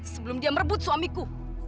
sebelum dia merebut suamiku